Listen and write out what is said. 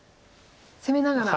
攻めながら。